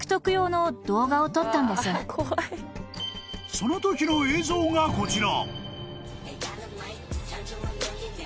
［そのときの映像がこちら］